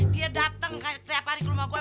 dia dateng tiap hari ke rumah gue